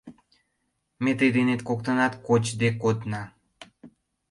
Ме тый денет коктынат кочде кодна.